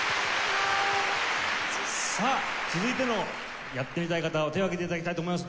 さあ続いてのやってみたい方は手を挙げて頂きたいと思います。